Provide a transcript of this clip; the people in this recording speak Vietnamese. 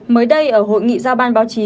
mới đây ở hội nghị giao ban báo chí